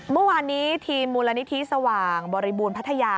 เมื่อวานนี้ทีมมูลนิธิสว่างบริบูรณพัทยา